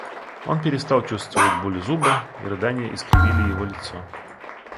Он перестал чувствовать боль зуба, и рыдания искривили его лицо.